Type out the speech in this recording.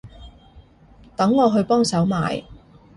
等我去幫手買